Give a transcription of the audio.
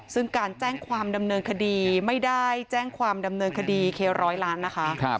ซึ่งการแจ้งความดำเนินคดีไม่ได้แจ้งความดำเนินคดีเคร้อยล้านนะคะ